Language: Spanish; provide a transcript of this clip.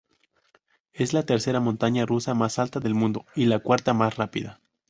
Es la Tercera montaña rusa más alta del mundo y la cuarta más rápida.